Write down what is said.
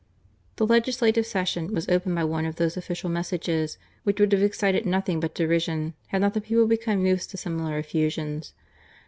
The Legislative Session was opened by one of those official messages which would have excited nothing but derision had not the people become used to similar effusions.